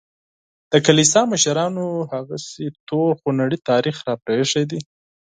د کلیسا مشرانو هغسې تور خونړی تاریخ راپرېښی دی.